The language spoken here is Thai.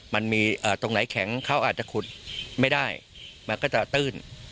มันมีตรงไหนแข็งเขาอาจจะขุดไม่ได้มันก็จะตื้น